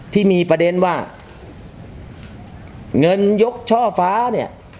ที่มีประเด็นว่าเงินยกช่อฟ้าเนี่ย